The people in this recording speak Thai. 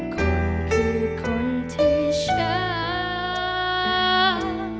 คงคือคนที่ฉัน